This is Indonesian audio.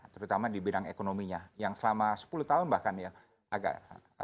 terutama di bidang ekonominya yang selama sepuluh tahun bahkan ya agak